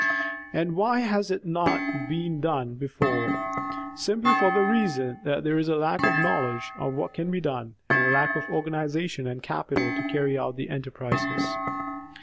And why has it not been done before ? Simply for the reason that there is a lack of knowledge of what can be done and a lack of organization and capital to carry out the enterprises.